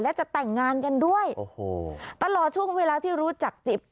และจะแต่งงานกันด้วยโอ้โหตลอดช่วงเวลาที่รู้จักจิบ